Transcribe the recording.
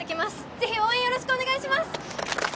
ぜひ応援よろしくお願いします！